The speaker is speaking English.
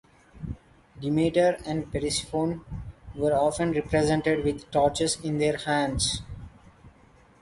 Demeter and Persephone were often represented with torches in their hands.